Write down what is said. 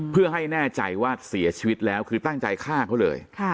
เพื่อให้แน่ใจว่าเสียชีวิตแล้วคือตั้งใจฆ่าเขาเลย